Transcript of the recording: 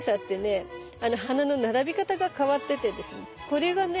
これがね